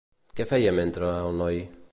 Què feia mentre el noi?